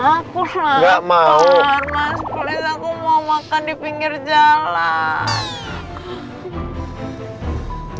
aku nggak mau mau makan di pinggir jalan